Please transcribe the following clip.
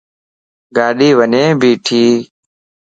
ڳاڏي وڃي بيٺي